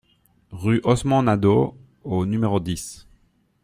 Rue Osman Nadeau au numéro dix